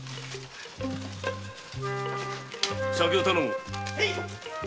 酒を頼む。